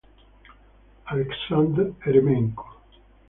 Aleksandr Erёmenko